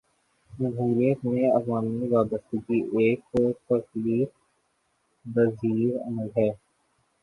جمہوریت میں عوامی وابستگی ایک تغیر پذیر عمل ہے۔